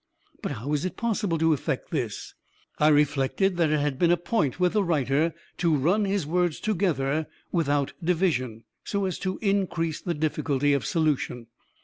"But how was it possible to effect this?" "I reflected that it had been a point with the writer to run his words together without division, so as to increase the difficulty of solution.